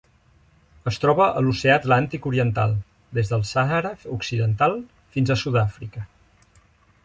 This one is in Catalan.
Es troba a l'Oceà Atlàntic oriental: des del Sàhara Occidental fins a Sud-àfrica.